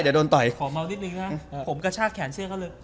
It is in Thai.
เดี๋ยวโดนต่อยขอเมานิดนึงนะผมกระชากแขนเสื้อเขาเลย